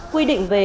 quy định về